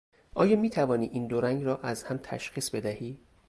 آیا میتوانی این دو رنگ را از هم تشخیص بدهی؟